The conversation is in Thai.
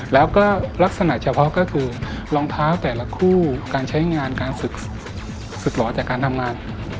แล้วก็ลักษณะเฉพาะก็คือรองเท้าแต่ละคู่การใช้งานการฝึกหลอนจากการทำงาน